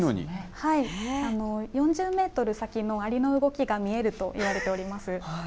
４０メートル先のアリの動きが見えるといわれております。